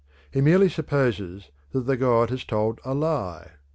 He merely supposes that the god has told a lie.